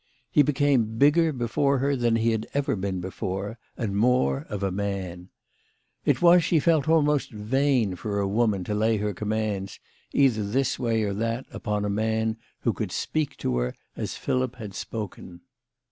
He became bigger before her than he had ever been before, and more of a man. It was, she felt, almost vain for a woman to lay her commands, either this way or that, upon a man who could speak to her as Philip had spoken.